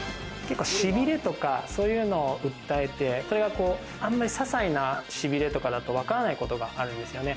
しびれとか、そういうのを訴えてそれがあんまりささいなしびれとかだとわからないことがあるんですよね。